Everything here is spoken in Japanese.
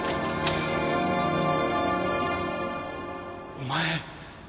お前。